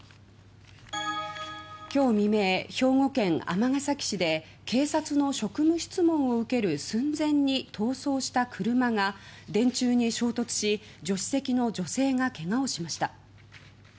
今日未明、兵庫県尼崎市で警察の職務質問を受ける寸前に逃走した車が電柱に衝突し助手席の女性がけがをしました。